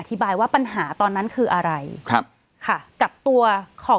บายว่าปัญหาตอนนั้นคืออะไรครับค่ะกับตัวของ